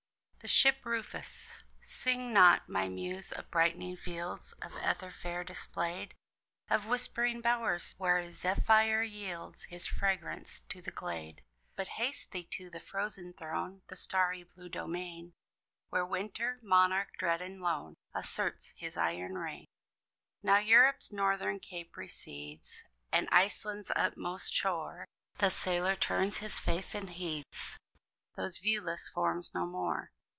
THE SHIP RUFUS. Sing not, my Muse, of brightening fields Of ether, fair displayed, Of whispering bowers, where Zephyr yields His fragrance to the glade But haste thee to the frozen throne, The starry blue domain Where Winter, monarch dread and lone, Asserts his iron reign. Now Europe's northern cape recedes, And Iceland's utmost shore; The sailor turns his face and heeds Those viewless forms no more.